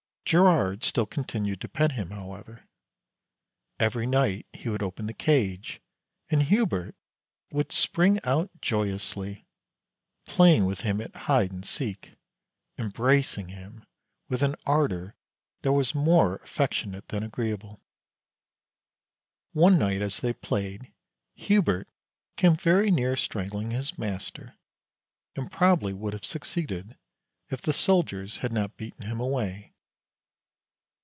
Girard still continued to pet him, however. Every night he would open the cage, and Hubert would spring out joyously, playing with him at hide and seek, embracing him with an ardor that was more affectionate than agreeable. One night as they played Hubert came very near strangling his master, and probably would have succeeded if the soldiers had not beaten him away.